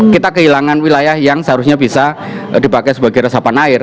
kita kehilangan wilayah yang seharusnya bisa dipakai sebagai resapan air